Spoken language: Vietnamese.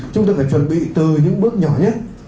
chúng tôi phải chuẩn bị từ những bước nhỏ nhất